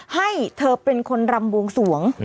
ให้เธอเป็นคนรำบวงสวง